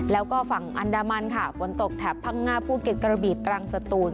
แล้วก็ฝั่งอันดามันค่ะฝนตกแถบพังงาภูเก็ตกระบีตรังสตูน